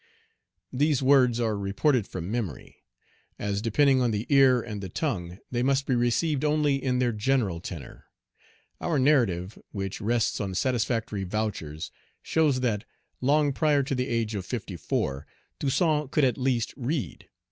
These words are reported from memory. As depending on the ear and the tongue, they must be received only in their general tenor. Our narrative, which rests on satisfactory vouchers,, shows that, long prior to the age of fifty four, Toussaint could at least read.